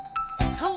そう？